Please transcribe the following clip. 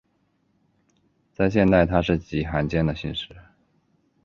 在现代它是极罕见的姓氏。